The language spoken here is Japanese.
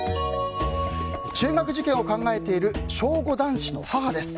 中学受験を考えている小５男子の母です。